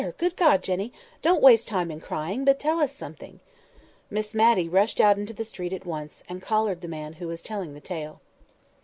Good God! Jenny, don't waste time in crying, but tell us something." Miss Matty rushed out into the street at once, and collared the man who was telling the tale.